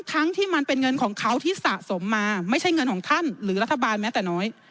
ทั้งที่มันเป็นเงินของเขาที่สะสมมาไม่ใช่เงินของท่านหรือรัฐบาลแม้แต่น้อย